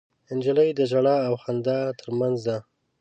نجلۍ د ژړا او خندا تر منځ ده.